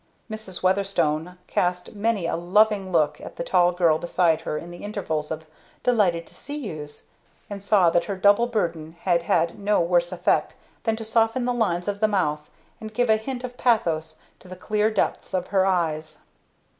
Mrs. Weatherstone cast many a loving look at the tall girl beside her in the intervals of "Delighted to see you's," and saw that her double burden had had no worse effect than to soften the lines of the mouth and give a hint of pathos to the clear depths of her eyes.